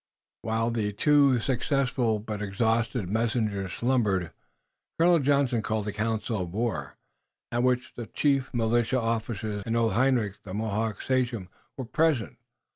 While the two successful but exhausted messengers slumbered, Colonel Johnson called a council of war, at which the chief militia officers and old Hendrik, the Mohawk sachem, were present.